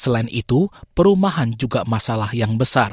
selain itu perumahan juga masalah yang besar